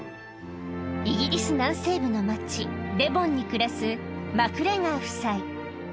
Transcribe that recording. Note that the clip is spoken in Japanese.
イギリス南西部の町、デボンに暮らすマクレガー夫妻。